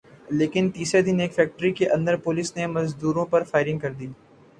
لیکن تیسرے دن ایک فیکٹری کے اندر پولیس نے مزدوروں پر فائرنگ کر دی